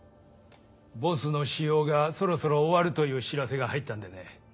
ボスの私用がそろそろ終わるという知らせが入ったんでね。